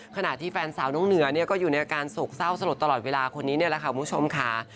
ขณะที่แฟนสาวน้องเหนือก็อยู่ในการสกเศร้าสะหรัดตลอดเวลาคนนี้เหรอคะคุณผู้ชมค่ะ